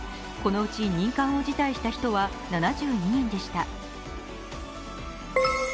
このうち任官を辞退した人は７２人でした。